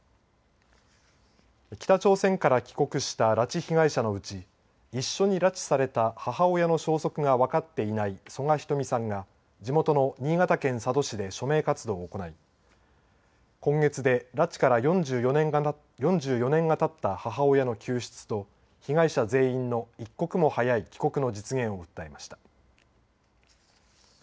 北朝鮮から帰国した拉致被害者のうち一緒に拉致された母親の消息が分かっていない曽我ひとみさんが地元の新潟県佐渡市で署名活動を行い今月で拉致から４４年がたった母親の救出と被害者全員の一刻も早い帰国の実現を訴えました。